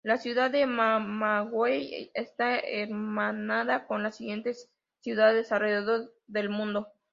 La ciudad de Camagüey está hermanada con las siguientes ciudades alrededor del mundo.